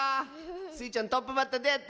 スイちゃんトップバッターどうやった？